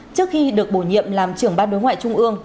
trước khi được bổ nhiệm làm trưởng ban đối ngoại trung ương